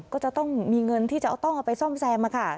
ก็จะต้องมีเงินที่จะต้องเอาไปซ่อมแซมค่ะ